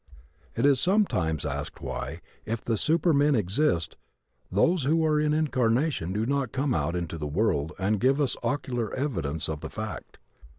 It is sometimes asked why, if the supermen exist, those who are in incarnation do not come out into the world and give us ocular evidence of the fact.